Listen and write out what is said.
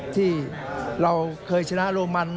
ที่เราเคยชนะโรมัน